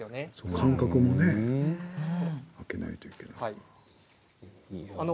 間隔も空けないといけないよね。